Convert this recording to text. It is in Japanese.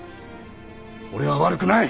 俺は悪くない！